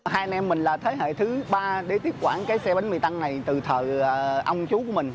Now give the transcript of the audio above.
hai anh em mình là thế hệ thứ ba để tiếp quản cái xe bánh mì tăng này từ thợ ông chú của mình